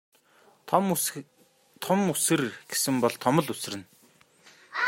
Том үсэр гэсэн бол том л үсэрнэ.